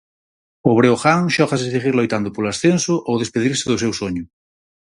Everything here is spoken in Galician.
O Breogán xógase seguir loitando polo ascenso ou despedirse do seu soño.